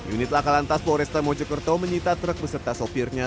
unit lakalan tas polresta mojokerto menyita truk beserta sopirnya